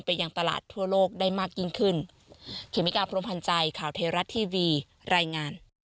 ยังตลาดทั่วโลกได้มากยิ่งขึ้น